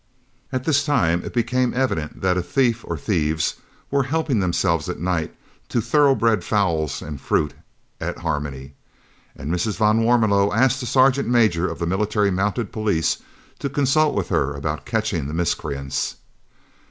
At this time it became evident that a thief or thieves were helping themselves at night to thoroughbred fowls and fruit at Harmony, and Mrs. van Warmelo asked the sergeant major of the Military Mounted Police to consult with her about catching the miscreants.